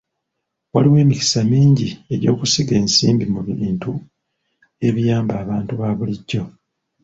Waliwo emikisa mingi egy'okusiga ensimbi mu bintu ebiyamba abantu ba bulijjo.